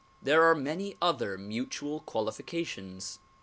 There are many other mutual qualifications.